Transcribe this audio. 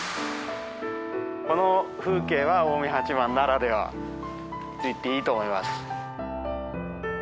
この風景は近江八幡ならではと言っていいと思います。